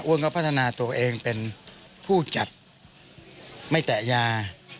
พัฒนาตัวเองเป็นผู้จัดไม่แตะยา